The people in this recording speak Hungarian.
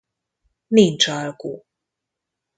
Nincs alku!